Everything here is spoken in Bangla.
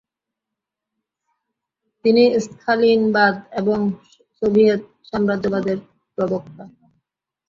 তিনি স্তালিনবাদ এবং সোভিয়েত সাম্রাজ্যবাদের প্রবক্তা।